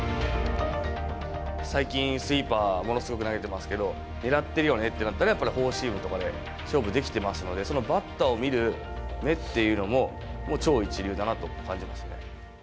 最近、スイーパー、ものすごく投げてますけど、狙っているよねってなったら、やっぱりフォーシームとかで勝負できてますので、バッターを見る目っていうのも超一流だなと感じますね。